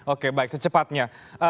oke baik secepatnya